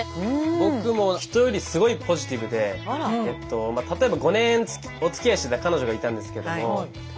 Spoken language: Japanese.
僕も人よりすごいポジティブで例えば５年おつきあいしてた彼女がいたんですけども振られたんですよ。